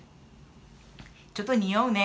ちょっとにおうね。